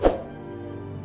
tahan saja sekurang kurangnya